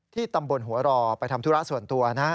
ตำบลหัวรอไปทำธุระส่วนตัวนะ